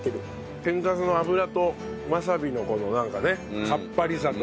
天かすの油とわさびのこのなんかねさっぱりさとが。